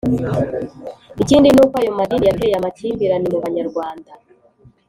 Ikindi n'uko ayo madini yateye amakimbirane mu Banyarwanda: